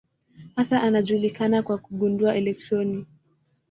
Hasa anajulikana kwa kugundua elektroni.